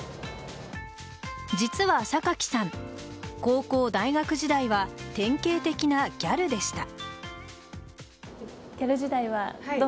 実は榊さん高校、大学時代は典型的なギャルでした。